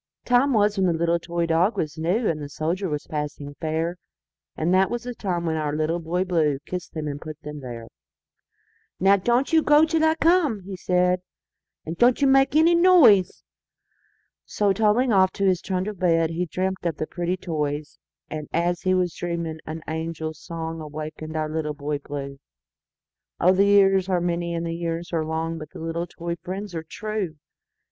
Time was when the little toy dog was new, And the soldier was passing fair; And that was the time when our Little Boy BlueKissed them and put them there."Now don't you go till I come," he said,"And don't you make any noise!"So, toddling off to his trundle bed, He dreamt of the pretty toys; And, as he was dreaming, an angel songAwakened our Little Boy Blue—Oh! the years are many, the years are long, But the little toy friends are true!